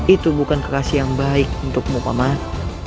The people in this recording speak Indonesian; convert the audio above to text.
itu bukan kekasih yang baik untukmu paman